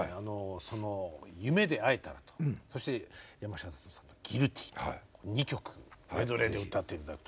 その「夢でえたら」とそして山下達郎さんの「Ｇｕｉｌｔｙ」２曲メドレーで歌っていただくと。